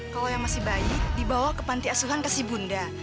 kalau yang masih baik dibawa ke panti asuhan ke si bunda